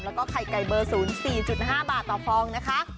แล้วก็ไข่ไก่เบอร์๐๔๕บาทต่อฟองนะคะ